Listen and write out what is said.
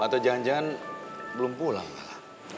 atau jangan jangan belum pulang